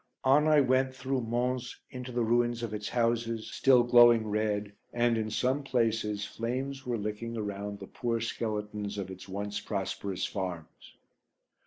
On I went through Mons, into the ruins of its houses, still glowing red and, in some places, flames were licking around the poor skeletons of its once prosperous farms.